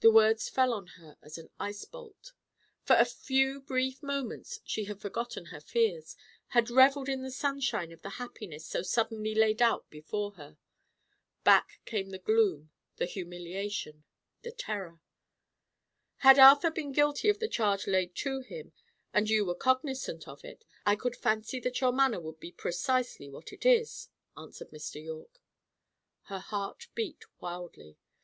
The words fell on her as an ice bolt. For a few brief moments she had forgotten her fears, had revelled in the sunshine of the happiness so suddenly laid out before her. Back came the gloom, the humiliation, the terror. "Had Arthur been guilty of the charge laid to him, and you were cognizant of it, I could fancy that your manner would be precisely what it is," answered Mr. Yorke. Her heart beat wildly.